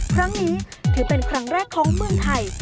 ครั้งนี้ถือเป็นครั้งแรกของเมืองไทย